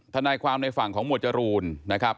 ทนายความในฝั่งของหมวดจรูนนะครับ